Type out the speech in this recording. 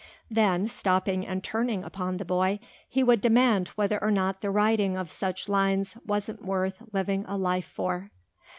Then, stopping and turning upon the boy, he would demand whether or not the writing of such lines wasn't worth living a life for.